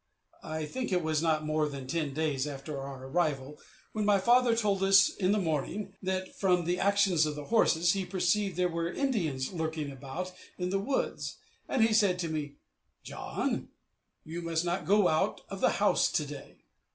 I think it was not more than ten days after our arrival, when my father told us in the morning, that, from the actions of the horses, he perceived there were Indians lurking about in the woods, and he said to me, "John, you must not go out of the house to day."